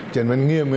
trần văn nghiêm